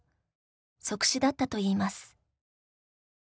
即死だったといいます。